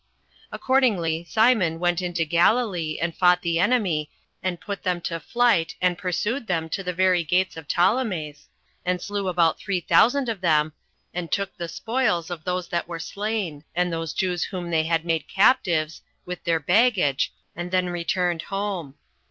Accordingly, Simon went into Galilee, and fought the enemy, and put them to flight, and pursued them to the very gates of Ptolemais, and slew about three thousand of them, and took the spoils of those that were slain, and those Jews whom they had made captives, with their baggage, and then returned home.